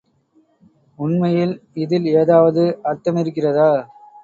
உண்மையில் இதில் ஏதாவது அர்த்தமிருக்கிறதா?